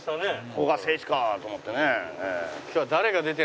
ここが聖地かと思ってね。